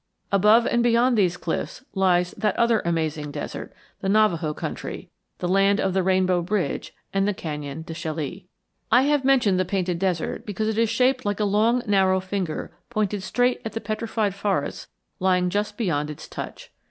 Above and beyond these cliffs lies that other amazing desert, the Navajo country, the land of the Rainbow Bridge and the Canyon de Chelly. I have mentioned the Painted Desert because it is shaped like a long narrow finger pointed straight at the Petrified Forests lying just beyond its touch.